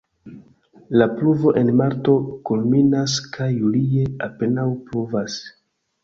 La pluvo en marto kulminas kaj julie apenaŭ pluvas.